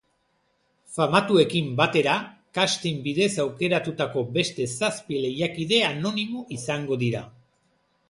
Famatuekin batera, casting bidez aukeratutako beste zazpi lehiakide anonimo izango dira.